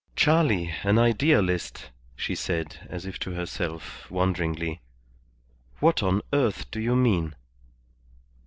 "Charley an idealist!" she said, as if to herself, wonderingly. "What on earth do you mean?"